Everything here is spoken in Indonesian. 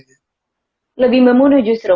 lebih membunuh justru